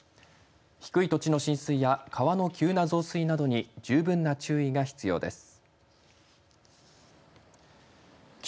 低い土地の浸水や川の急な増水などに十分な注意が必要です。